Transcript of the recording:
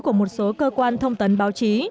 của một số cơ quan thông tấn báo chí